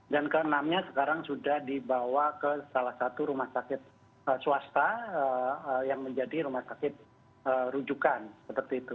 dan ke enam nya sekarang sudah dibawa ke salah satu rumah sakit swasta yang menjadi rumah sakit rujukan seperti itu